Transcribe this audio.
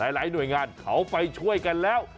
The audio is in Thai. หลายหน่วยงานเขาไปช่วยกันแล้ว